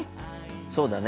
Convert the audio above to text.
そうだね。